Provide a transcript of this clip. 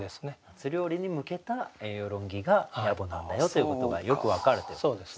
夏料理に向けた栄養論議が野暮なんだよということがよく分かるっていうことですね。